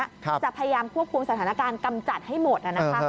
จะพยายามควบคุมสถานการณ์กำจัดให้หมดนะคะ